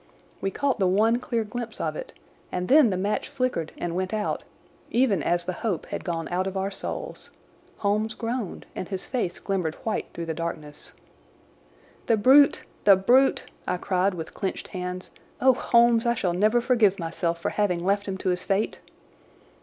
We caught the one clear glimpse of it, and then the match flickered and went out, even as the hope had gone out of our souls. Holmes groaned, and his face glimmered white through the darkness. "The brute! The brute!" I cried with clenched hands. "Oh Holmes, I shall never forgive myself for having left him to his fate."